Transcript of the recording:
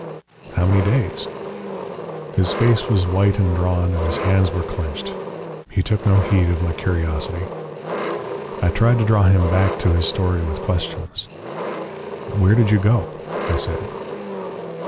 "How many days?" His face was white and drawn and his hands were clenched. He took no heed of my curiosity. I tried to draw him back to his story with questions. "Where did you go?" I said.